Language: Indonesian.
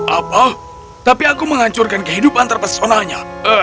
apa tapi aku menghancurkan kehidupan terpesonanya